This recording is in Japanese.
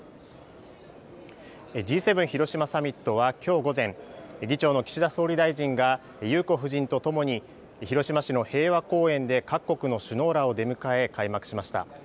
Ｇ７広島サミットはきょう午前、議長の岸田総理大臣が裕子夫人とともに広島市の平和公園で各国の首脳らを出迎え開幕しました。